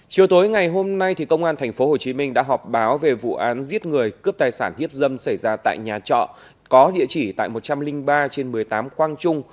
chiều tối ngày hôm nay công an tp hcm đã họp báo về vụ án giết người cướp tài sản hiếp dâm xảy ra tại nhà trọ có địa chỉ tại một trăm linh ba trên một mươi tám quang trung